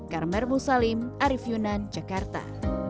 karmel musalim arief yunan jakarta